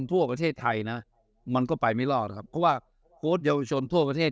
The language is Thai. ทั่วประเทศไทยมันก็ไปไม่รอดได้ว่าโพสต์ยาวชนทั่วประเทศ